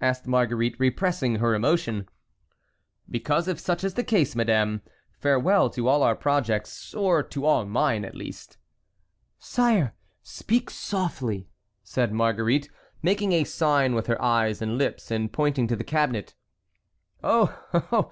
asked Marguerite, repressing her emotion. "Because if such is the case, madame, farewell to all our projects, or to all mine, at least." "Sire, speak softly," said Marguerite, making a sign with her eyes and lips, and pointing to the cabinet. "Oh! oh!"